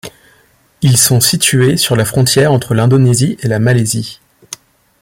Ils sont situés sur la frontière entre l'Indonésie et la Malaisie.